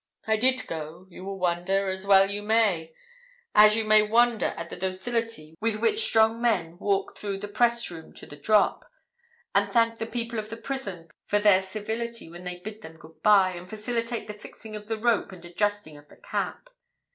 I did go, you will wonder, as well you may as you may wonder at the docility with which strong men walk through the press room to the drop, and thank the people of the prison for their civility when they bid them good bye, and facilitate the fixing of the rope and adjusting of the cap.